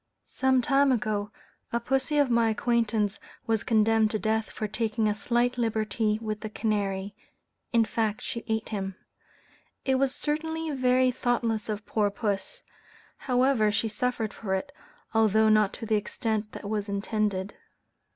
Some time ago, a pussy of my acquaintance was condemned to death for taking a slight liberty with the canary in fact, she ate him. It was certainly very thoughtless of poor puss; however she suffered for it, although not to the extent that was intended.